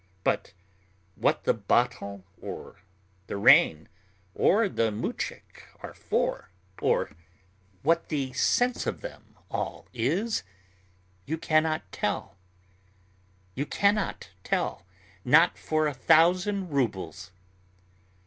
But what the bottle or the rain or the muzhik are for, or what the sense of them all is, you cannot tell you cannot tell, not for a thousand rubles.